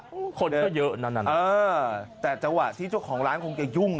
เดินแล้วนะเนี่ยครับจังหวะคนก็เยอะนั้นนั้นเออแต่จังหวะที่เจ้าของร้านคงจะยุ่ง